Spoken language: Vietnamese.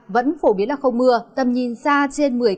vẫn phổ biến là không mưa tầm nhìn xa trên một mươi km gió nhẹ